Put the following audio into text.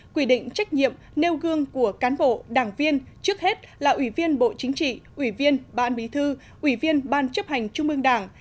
quy định trách nhiệm nêu gương của cán bộ đảng viên trước hết là ủy viên bộ chính trị ủy viên ban bí thư ủy viên ban chấp hành trung ương đảng